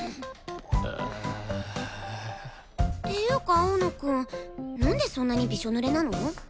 ていうか青野くんなんでそんなにびしょぬれなの？